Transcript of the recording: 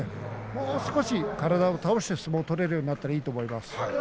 もう少し体を倒して相撲が取れるようになったらいいと思います。